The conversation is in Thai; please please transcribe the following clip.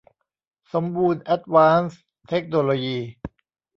สมบูรณ์ แอ๊ดวานซ์ เทคโนโลยี